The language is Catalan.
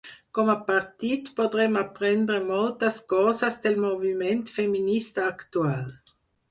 Com a partit, podrem aprendre moltes coses del moviment feminista actual.